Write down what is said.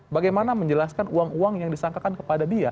bagaimana menjelaskan uang uang yang disangkakan kepada dia